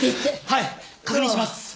はい確認します。